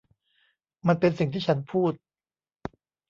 มันเป็นสิ่งที่ฉันพูด ?